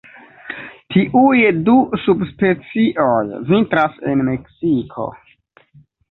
Tiuj du subspecioj vintras en Meksiko.